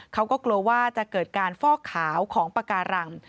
เขาก็กลัวว่าจะเกิดการฟอกขาวของปากการัง